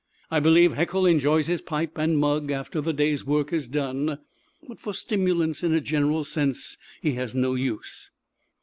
I believe Haeckel enjoys his pipe and mug after the day's work is done; but for stimulants in a general sense, he has no use.